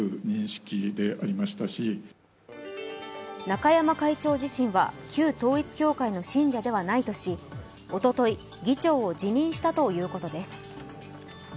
中山会長自身は旧統一教会の信者ではないとしおととい、議長を辞任したということです。